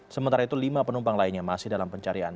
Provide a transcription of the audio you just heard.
sementara itu lima penumpang lainnya masih dalam pencarian